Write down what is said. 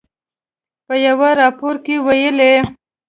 په یوه راپور کې ویلي